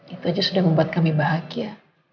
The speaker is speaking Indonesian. itu aja sudah membuat kami bahagia